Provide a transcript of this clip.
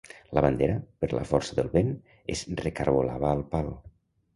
La bandera, per la força del vent, es recargolava al pal.